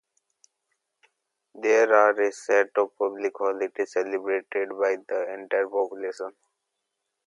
There are a set of public holidays celebrated by the entire population.